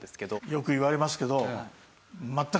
よく言われますけど。